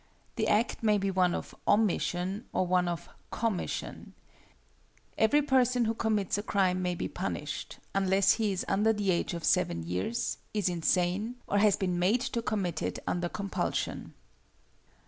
The act may be one of omission or of commission. Every person who commits a crime may be punished, unless he is under the age of seven years, is insane, or has been made to commit it under compulsion.